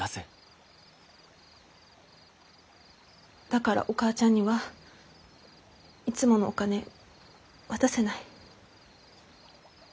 だからお母ちゃんにはいつものお金渡せない。